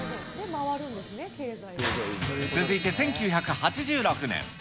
続いて１９８６年。